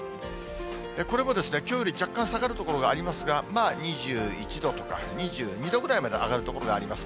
これもきょうより若干下がる所がありますが、２１度とか２２度ぐらいまで上がる所があります。